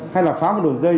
hay là phá một đường dây